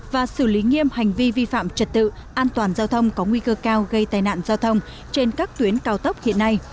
và xử lý nghiêm hành vi vi phạm trật tự an toàn giao thông có nguy cơ cao gây tai nạn giao thông trên các tuyến cao tốc hiện nay